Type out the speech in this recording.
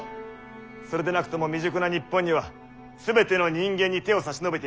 それでなくても未熟な日本には全ての人間に手を差し伸べている余裕はない。